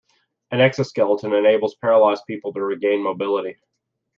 An exo-skeleton enables paralyzed people to regain mobility.